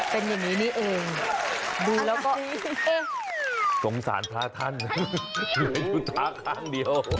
ให้ชนะที่เกิดกันได้นะครับ